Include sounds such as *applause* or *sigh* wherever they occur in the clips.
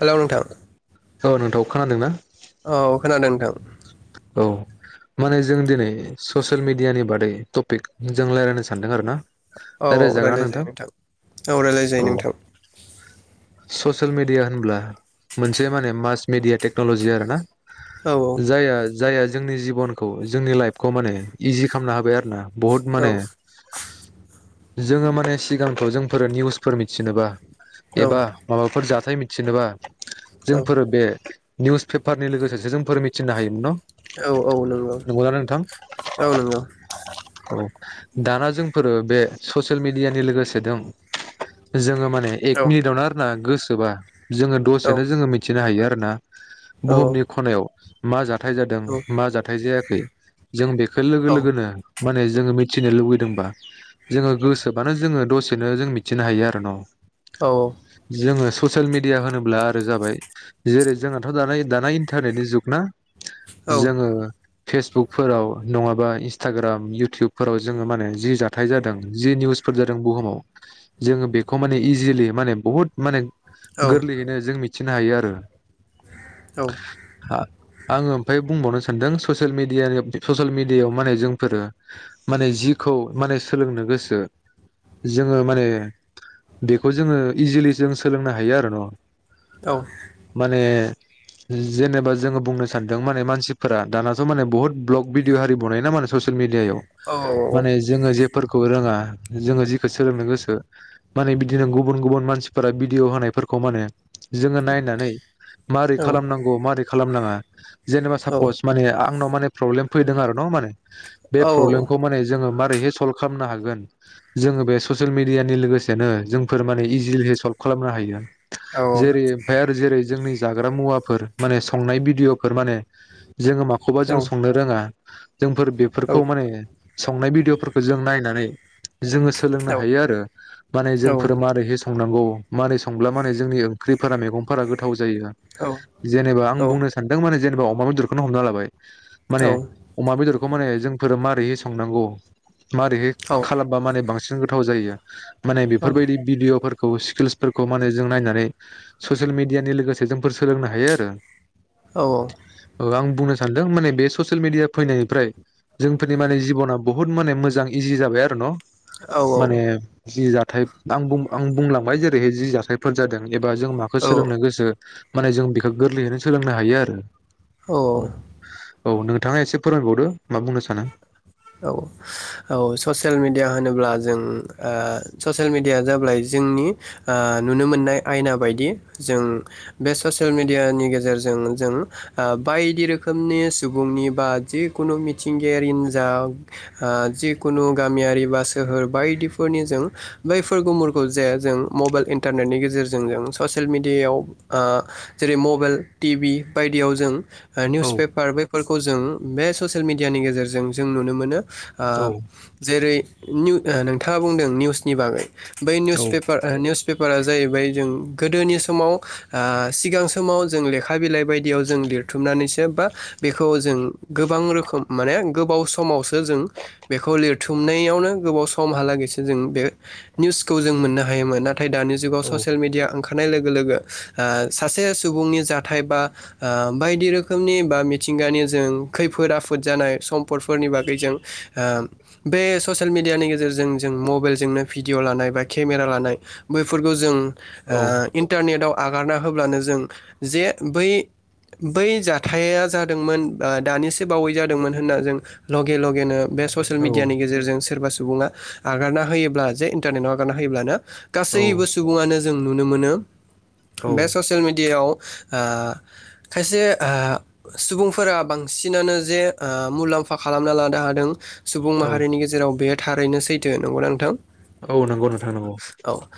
हेल' नोंथां। खानादोंना। औ खोनादों नोंथां। औ माने जों दिनै ससियेल मिडियानि बादै टपिक जों रायज्लायनो सानदों आरो ना। औ रायज्लायजागोन ना राय्लाय जायो नोंथां औ राय्लाय जायो नोंथां। ससियेल मिडिया होनब्ला मोनसे माने मास मिडिया टेक्न'लजि आर ना। औ जाया। जायहा जोंनि जिबनखौ जोंनि लाइफखौ माने इजि खालामनो हाबाय आरो। ना बहुत औ माने। जोङो माने सिगांखौ जोंफोरो निउसफोर मिथिनोबा। एबा माबाफोर जाथाय मिथ जेनोबा। औ जोंफोरो बे निउस पेपारनि लोगोसेसो जोंफोर मिथिनो हायोमोन न'‌? औ औ नंगौ औ नंगौ। औ दाना जोंफोरो बे ससियेल मिडियानि लोगोसे दं जोङो माने एक औ मिनिटावनो आरोना गो सोबा जोङो औ दसेनो जोङो मिथिनो हायो आरो ना। औ बुहुमनि खनायाव‌ मा जाथाय जों मा जाथाय जायाखै जों बेखौ लोगो औ लोगोनो माने जोङो मिथिनो लुुबैदोंबा जोङो गोसोबानो जोङो दसेनो जों मिथिनो हायो आरो न'? जोङो ससियेल मिडिया होनोब्ला आरो जाबाय जेरै जोंनाथ' दाना दाना इन्टारनेटनि जुग ना औ जोङो फेसबुकफोराव नङाबा इन्सटाग्राम इउटुबफोराव जोङो मा होनो जि जाथाय जादों जि निउसफोर जादों बुहुमाव जोङो बेखौ माने इजिलि माने बुहुत माने औ गोरलैयैनो जों मि थिनो हायो आरो। औ। आङो बुंबावनो सानदों ससियेल मिडियानियाव बे फ ससियेल मिडियायाव माने जोंफोरो माने जिखौ माने सोलोंनो गोसो जोङो माने बेखौ जोङो इजिलि जों सोलोंनो हायो आरो न'? औ माने जेनेबा जोङो बुंनो सान दों माने मानसिफोरा दानाथ' माने बहुत ब्ल'ग भिदिअ आरि बनायो ना मा होनो ससियेल मिडियायाव माने जोङो जेफोरखौ रोङा जोङो जिखौ सोलोंनो गोसो माने बिदिनो गुबुन गुबुन मानसिफोरा भिदिअ होनायफोरखौ मा होनो जोङो नायनानै मारै खालामनांगौ मारै खालामनाङा जेनेबा सापस माने आंनाव माने प्रब्लेम फैदों आरो न माने बे प्रब्लेमखौ माने जोङो मा मारैहाय सल्भ खालामनो हागोन जोङो बे ससियेल मिडियानि लोगोसेनो जोंफोर माने इजिलि सल्भ खालामनो हायो जेरै ओमफाय आरो जेरै जोंनि जाग्रा मुवा फोर माने संनाय भिडिअ फोर माने जोङो माखौबा जों संनो रोङा जोंफोर बेफोरखौ माने संनाय भिडिअफोरखौ जों नायनानै जोङो सोलोंनो हायो आरो माने जोंफोर मारैहाय संनांगौ मारै संब्ला मारै जोंनि ओंख्रि फोरा मैगंफोरा गोथाव जायो जेनेबा आं बुंनो सा माने जेनेबा अमा बेदरखौनो हमना लाबाय। माने अमा बेदरख खौ माने जोंफोरो मारै संनांगौ। मारैहाय खालामबा माने बांसिन गोथाव जायो। माने बेफोरबायदि भिदिअफोर खौ स्किल्सफोरखौ माने जों नायनानै ससियेल मिडियानि लोगोसे जोंफोर सोलोंनो हायो आरो औ-औ ओ आं बुंनो सानदों माने बे ससियेल मिडिया फैनायनिफ्राय जोंफोरनि माने जिबना बुहुत माने मोजां इजि जाबाय आरो न'। माने जि जा थाय आं बुं आं बुंलांबाय जेरैहाय जि जाथायफोर जादों। एबा जों माखौ सोलोंनो गोसो माने जों बिखौ गोरलैनो सोलोंनो हा हायो आरो। औ। औ नोंथाङा एसे फोरमायबावदो मा बुंनो सानो। औ-औ ससियेल मिडिया होनोब्ला जों ससियेल मिडियाया जाबाय जोंनि नुनो मोननाय आयना बायदि जों बे ससियेल मिडियानि गेजेरजों जों ओ बायदि रोखोमनि सुबुंनि बा जिखुनु मिथिंगायारि नु जा ओ जिखुनु गामियारि बा सोहोर बायदिफोरनि जों बैफोर गुमुरखौ जे जों मबाइल इन्टारनेटनि गेजेरजों जों ससियेल मेडियायाव ओ जेरै मबाइल टिभि बायदियाव जों औ निउस पेपार बेफोरख खौ जों बे ससियेल मिडियानि गेजेरजों जों नुनो मोनो। ओ औ जेरै निउ नोंथाङा बुंदों निउसनि बागै। बै औ निउसपेपार निउस। पेपारा जाहैबाय जों गोदोनि समाव ओ सिगां समाव जों लेखा बिलाइ बायदियाव जों लिरथुमनानैसो बा बेखौ जों गोबां रोखोम माने गोबाव समावसो जों बेखौ लिरथुमनायावनो गोबाव समहालागैसो जों बे निउसखौ जों मोननो हायोमोन ना थाय दानि जुगाव औ ससेल मिडया ओंखा नाय लोगो-लोगो सासे सुबुंनि जाथाय बा बायदि रोखोमनि बा मिथिंगानि जों खैफोद आफोद जानाय सम पटफोरनि बागै जों बे ससियेल मेडियानि गेजेरजों जों मबाइलजोंनो भिडिअ लानाय बा केमेरा लानाय बैफोरखौ जों। ओ औ इन्टारनेटआव आगारना होब्लानो जों जे बै बै जाथाया जादोंमोन ओ दानिसो बावै जादोंमोन होनना जों लगे लगेनो बे ससियेल औ मिडियानि गेजेरजों सोरबा सोर सु सुबुङा आगारना होयोब्ला जे इन्टारनेटाव आगारना होयोब्लानो गासैबो सुबुङानो । जों नुनो मोनो औ । औ बे ससियेल मिडियाायाव ओ खायसे ओ सुबुंफोरा बांसिनानो जे ओ मुलाम्फ फा खालामना लानो हादों । सुबुं औ माहारिनि गेजेराव बे थारैनो सैथो नंगौना नोंथां? औ नंगौ नोंथां नंगौ औ ।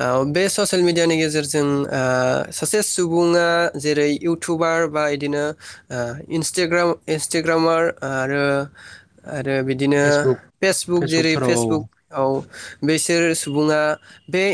औ बे ससियेल मिडियानि गेजेरजों ओ सासे सुबुङा जेरै इउटुबार बा बिदिनो ओ इन्स्टाग्राम इन्स्टाग्रामार आरो आरो बिदिनो फेसबुक फेसबुक जेरै फेसबुकफोराव फेसबुक आव बेसोर सुबुङा बे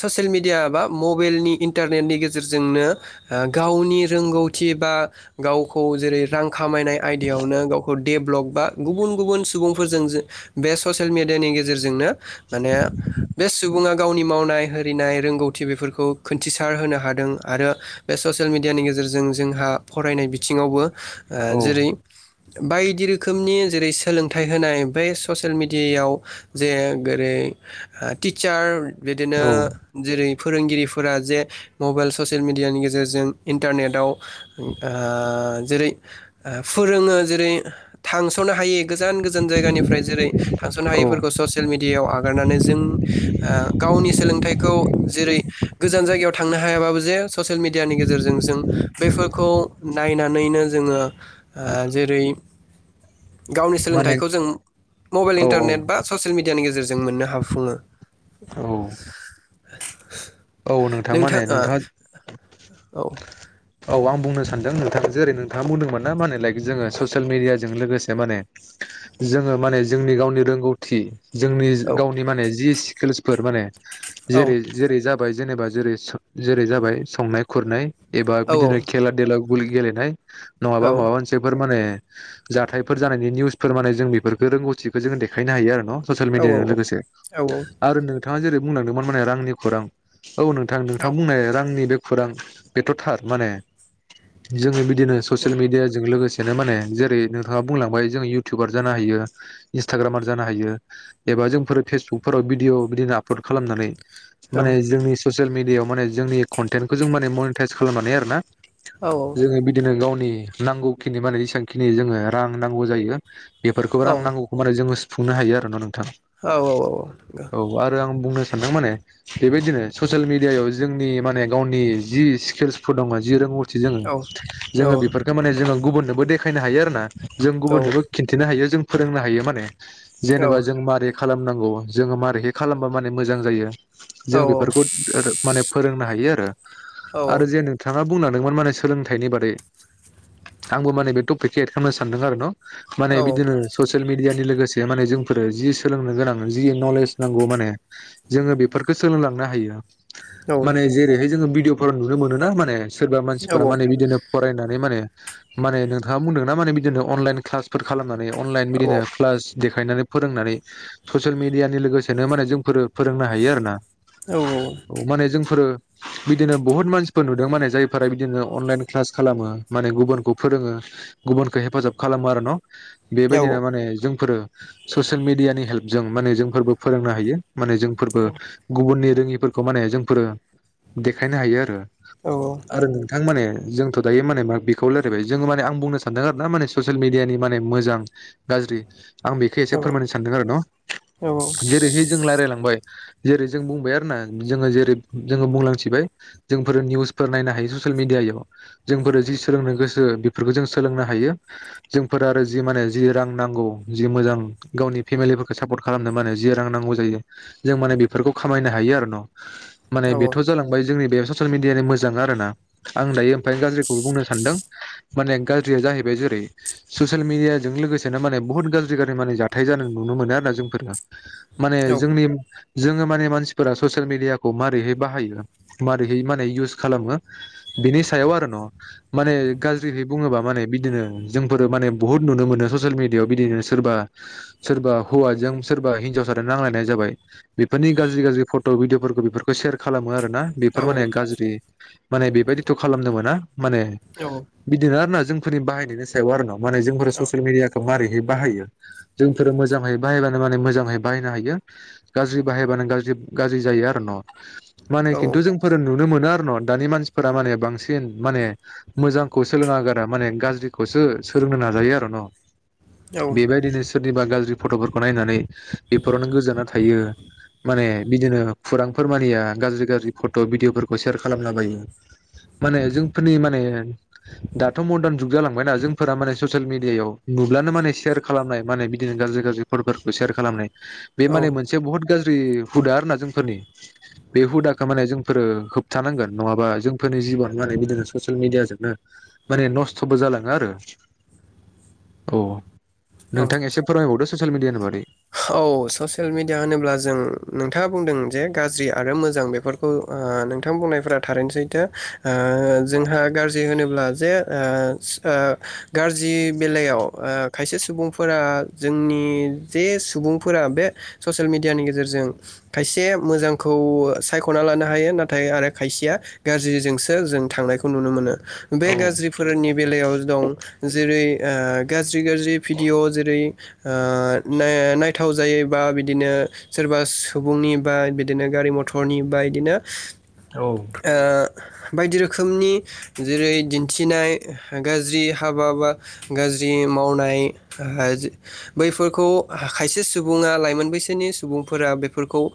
ससियेल मिडिया बा मबाइलनि इन्टारनेटनि गेजेरजोंनो ओ गावनि रोंगौथि बा गावखौ जेरै रां खामायनाय आयदायावनो गाव डेभ्लक बा गुबुन गुबुन सुबुंफोरजों बे ससियेल मेडियानि गेजेरजोंनो माने बे सुबुङा गावनि मावनाय हैरिनाय रोंगौथि बेफोरखौ खोनन्थिसार होनो हादों आरो बे ससियेल मिडियानि गेजेरजों जोंहा फरायनाय बिथिङावबो ओ औ जेरै बायदि रोखोमनि जेरै सोलोंथाइ होनाय बे ससियेल मिडियायाव जे जेरै टिचार बिदिनो औ जेरै फोरोंगिरिफोरा जे मबाइल ससियेल मिडियानि गेजेरजों इन्टारनेटाव ओ जेरै फोरोङो जेरै थांस'नो हायि गोजान गोजान जायगानिफ्राय जेरै थांस'नो औ हायिफोरखौ ससियेल मिडियाायाव आगारनानै जों ओ गावनि सोलोंथाइखौ जेरै गोजान जायगायाव थांनो हायाबाबो जे ससियेल मेडियानि गेजेरजों जों बैफोरखौ नायनानैनो जोङो ओ *inaudible* गावनि माने सोलोंथाइखौ जों मबाइल औ औ इन्टारनेट बा ससियेल मिडियानि गेजेरजों जों मोननो हाफुङो। औ। औ नोंथां माने नोंथाङा औ औ आं बुंनो सानो सानदों नोंथाङा जेरै नोंथाङा बुंदोंमोन ना माने लाइक जोङो ससियेल मिडियाजों लोगोसे माने जोङो माने जोंनि गावनि रोंगौथि। जोंनि औ गावनि माने जि स्किल्सफोर माने। औ जेरै जेरै जा जाबाय जेनेबा जेरै जेरै जाबाय संनाय खुरनाय। एबा औ बिदिनो खेला देला। गुल गेलेनाय। औ नङाबा माबा मोनसेफोर माने जाथायफोर जानायनि निउसफोर माने जों बेफोरफोरखौ रोंगौथिखौ जोङो देखायनो हायो आरो न ससिल औ मिडियाजों लोगोसे औ आरो नोंथाङा जेरै बुंलांदोंमोन माने रांनि खौरां। औ नोंथां नोंथां बुंनाय रांनि बे खौरां बेथ' थार माने जोंङो बि बिदिनो ससियेल मिडियाजों लोगोसे बेनो माने जेरै नोंथाङा बुंलांबाय जों इउटुबार जानो हायो इन्सटाग्रामार जानो हायो एबा जोंफोर फेसबुकफोराव भिदिअ बिदिनो आपलड खालामनानै माने जोंनि सस ससियेल मिडियाआव माने जोंनि कन्टेन्टखौ जों माने मनिटाइस खालामनानै आरोना जोङो बिदिनो गावनि नांगौखिनि माने जसेबांखिनि जोङो रां नांगौ जायो बेफोरखौ रां नांगौखौ मानोे जोङो सु सुंनो हायो आरो ना नों नोंथां औ औ औ औ आं बुंनो सानदों माने बेबायदिनो ससियेल मिडियायाव जोंनि माने गावनि जि स्किल्सफोर दङ जि रोंगौ थि जोङो जोङो बेफोरखौ माने जोङो गुबुननोबो देखायनो हायो आरोना जों गुबुननोबो खिन्थिनो हायो जों फोरोंनो हायो माने जेनेबा जों मारै ख खालामनांगौ जोङो मारैहाय खालामबा माने मोजां जायो जों बेफोरखौ माने फोरोंनो हायोआरो आरो जे नोंथाङा बुंलांदोंमोन माने सोलोंथाइनि बादै आंबो माने बे टपिकखौ एद खालामनो सानदों आरो न माने बदिनो ससियेल मिडया नि लो लोगोसे माने जोंफोर जि सोलोंनो गोनां जि नलेज नांगौ माने जोंङो बे फोरफोरखौ सोलोंलांनो हायो माने जेरैहाय जोङो भिदिअ फोराव नुनो मोनो ना माने सोरबा मानसिफोरा माने बिदिनो फरायनानै माने माने नोंथां आ बुंदों ना मने बिदिनो माने अलाइ क्लासफोर खा नानै अनलाइन बिदिनो क्लास देखायनानै फोरोंनानै ससियेल मिेडियानि लोगोसेनो माने जोंफोरो फोरोंनो हायो आरो ना औ माने जोंफोरो बिदिनो बहुत मानसिफोर नुदों माने जायफोरा बिदिनो अनलाइन क्लास खालामो माने गुबुनखौ फोरोङो गुबुनखौ हेफाजाब खालामो आरो न बेबायदिनो माने जोंफोरो ससियेल मिडियानि हेल्प जों माने जोंफोरबो फोरोंनो हायो माने जोंफोरबो गुबुननि रोङिफोरखौ माने जोंफोरो देखायनो हायो आरो आरो नोंथां माने जोंथ' दायो माने बेखौ रायलायबाय जोङो माने आं बुंनो सानदों आरो ना माने ससियेल मिडियानि माने मोजां गाज्रि । आं बेखौ एसे फोरमायनो सानदों आरो न' जेरैहाय जों रायज्लायलांबाय । जेरै जों बुंबाय आरो ना जोङो जेरै जोङो बुंलांथिबाय जोंफोरो निउसफोर नायनो हायो ससियेल मिेडियायाव जोंफोरो जि सोलोंनो गोसो बेफोरखौ जों सोलोंनो हायो जोंफोर आरो जि माने जि रां नांगौ जि मोजां गावनि फेमिलिफोरखौ सापर्ट खालामनो माने जि रां नांगौ जायो जों माने बि बेफोरखौ खामायनो हायो आरो न' । माने बेथ' जालांबाय जोंनि बे ससियेल मिडियानि मोजां आर ना आं दायो ओमफ्राय गाज्रिखौबो बुंनो सानदों माने गाज्रिया जाहैबाय जेरै ससियेल मिडियाजों लोगोसेनो माने बुहुत गाज्रि गाज्रि माने जाथाय जानाय नुनो मोनो आरोना जोंफोरो । माने जोंनि जोङो माने मानसिफोरा ससियेल मिदियाखौ मारैहै बाहायो मारैहै माने इउस खालामो बिनि सायाव आरो न' माने गाज्रिहै बुङोबा माने बिदिनो जोंफोरो माने बुहुत नुनो मोनो ससियेल मिेडियाायाव बिदिनो सोरबा सोरबा हौवाजों सोरबा हिनजावसाजों नांलायनाय जाबाय । बेफोरनि गाज्रि गाज्रि फट' भिडिअफोरखौ बेफोरखौ सेयार खालामो आरो । ना बेफोर माने गाज्रि । माने बेबायदिथ' खालामदों मोना । माने बिदिनो आरोना जों । फोरनि बाहायनायनि सायाव आरो न माने जोंफोरा ससियेल मिडयाखौ मारै बाहायो जों मोजांयै बाहायबानो मे मोजांयै बाहायनो हायो । गाज्रि बाहायबानो गाज्रि जायो आरो न' । माने खिन्थु जों फोर नु नुनो मोनो आरो न' दानि मानसिफोरा माने बांसिन माने मोजांखौ सोलोङा गारा माने गाज्रिखौसो सोलोंनो नाजायो आरो न' । बेबायदिनो सोरनिबा गाज्र फट'फोरखौ नायनानै बेफोरावनो गोजोना थायो माने बिदिनो खुरांफोर मानिया गाज्रि गाज्रि फट' भिडिअफोरखौ शेयार खालामला बायो माने जोंफोरनि माने दाथ' मरदान जुग जालांबायना जोंफोरा माने ससियेल मेडियायाव नुब्लानो माने सेयार खालामनाय माने बिदिनो गाज्रि गाज्रि फट'फोरखौ शेयार खालामनाय । बे माने औ मोन बुहुत गाज्रि हुदा आरोना जोंफोरनि बे हुदाखौ माने जोंफोरो होबथानांगोन नङाबा जोंफोरनि जिबन माने बिदिनो ससियेल मिडियाजोंनो माने नस्थ'बो जालाङो आरो औ। औ नोंथां एसे फोरमायबावदो। ससियेल मिदियानि बादै। औ ससियेल मिडिया होनोब्ला जों नोंथाङा बुंदों जे गाज्रि आरो मोजां बेफोरखौ ओ नोंथां बुंनायफोरा थारैनो सैथो। ओ जोंहा गाज्रि होनोब अब्ला जे ओ ओ गाज्रि बेलायाव ओ खायसे सुबुंफोरा जोंनि जे सुबुंफोरा बे ससियेल मेडियानि गेजेरजों खायसे मोजांखौ सायख'ना लानो हायो नाथाय आरो खायसेया गाज्रिजोंसो जों थांनायखौ नुनो मोनो। बे औ गाज्रिफोरनि बेलायाव दं जेरै ओ गाज्रि गाज्रि भिडिअ जेरै ओ नाया नाय थाव जायोबा बिदिनो सोरबा सुबुंनि बा बिदिनो गारि मथरनि बा बिदिनो औ ओ बायदि रोखोमनि जेरै दिन्थिनाय गाज्रि हाबा बा गाज्रि मावनाय बैफोरखौ खायसे सुबुङा लाइमोन बैसोनि सुबुंफोरा बेफोरखौ ओ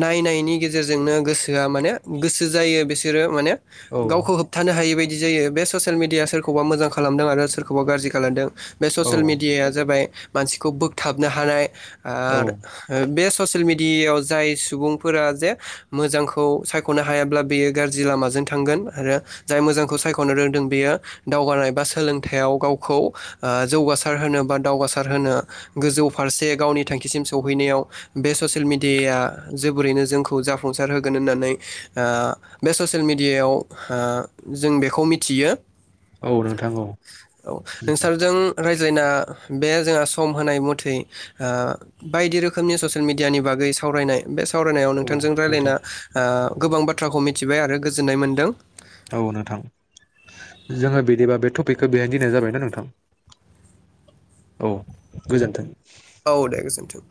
नायनायनि गेजेरजोंनो गोसोआ माने गोसो जायो बिसोरो माने औ गावखौ होबथानो हायै बायद बिदि जायो बे ससियेल मिडिया सोरखौबा मोजां खालामदों आरो सोरखौबा गाज्रि खालामदों। बे औ ससियेल मिडियाया जाबाय मानसि खौ बोगथाबनो हानाय औ आरो ओ बे ससियेल मिड डियाव जाय सुबुंफोरा जे मोजांखौ सायख'नो हायाब्ला बेयो गाज्रि लामाजों थांगोन आरो जाय मोजांखौ सायख'नो रोंदों बेयो दावगानाय बा सोलोंथाइयाव गावखौ ओ जौगासार होनो बा दावगासार होनो गोजौ फारसे गावनि थांखिसिम सौहैनायाव बे ससियेल मिडियाया जोबोरैनो जोंखौ जाफुंसार होगोन होननानै ओ बे ससियेल मिडियायाव ओ जों बेखौ मिथियो। औ औ नोंथां औ नोंसोरजों रायज जायना बे जोंहा स सम होनाय मथै ओ बायदि रोखोमनि ससियेल मिडियानि बागै सावरायनाय बे सावरायनायाव औ नोंथांजों नोंथां रायलायना ओ गोबां बाथ्राखौ मिथिबाय आरो गोजोननाय मोन्दों। औ नोंथां जोङो बिदिबा बे टपिकखौ बेहायनो दिनथ'नाय जाबायना नोंथां औ गोजोन्थों। औ दे गोजोनथों।